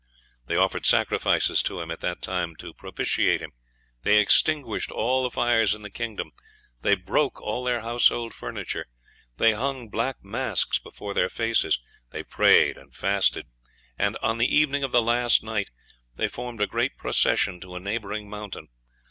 They offered sacrifices to him at that time to propitiate him; they extinguished all the fires in the kingdom; they broke all their household furniture; they bung black masks before their faces; they prayed and fasted; and on the evening of the last night they formed a great procession to a neighboring mountain.